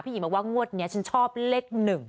หญิงบอกว่างวดนี้ฉันชอบเลข๑